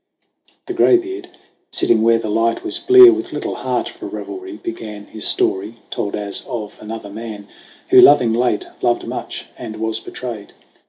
The graybeard, sitting where the light was blear, With little heart for revelry, began His story, told as of another man Who, loving late, loved much and was betrayed.